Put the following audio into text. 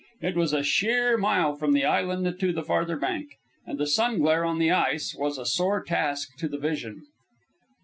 It was a sheer mile from the island to the farther bank, and the sunglare on the ice was a sore task to the vision.